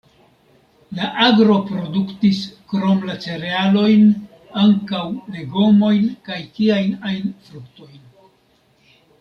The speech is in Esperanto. La agro produktis, krom la cerealojn, ankaŭ legomojn kaj kiajn ajn fruktojn.